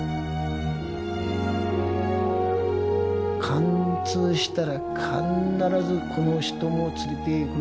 貫通したら必ずこの人も連れていく。